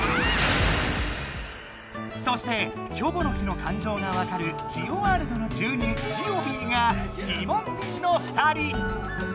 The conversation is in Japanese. そしてキョボの木のかんじょうがわかるジオワールドの住人「ジオビー」がティモンディの２人。